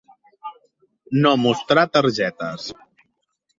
No mostrà targetes.